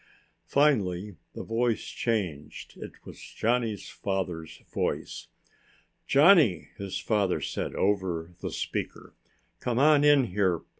Finally the voice changed. It was Johnny's father's voice. "Johnny," his father said over the speaker. "Come on in here!